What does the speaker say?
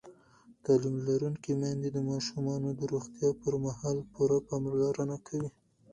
تعلیم لرونکې میندې د ماشومانو د ناروغۍ پر مهال پوره پاملرنه کوي.